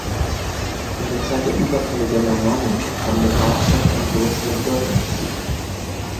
In der Zeit der Überfälle der Normannen kam der Grafschaft eine größere Bedeutung zu.